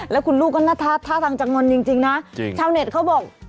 และคุณก็น่าทัดทางจังมนต์จริงจริงน่ะเช้าเน็ตเขาบอกว่า